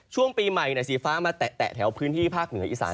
ช่วงปีใหม่สีฟ้ามาแตะแถวพื้นที่ภาคเหนืออีสาน